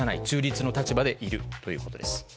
中立の立場でいるということです。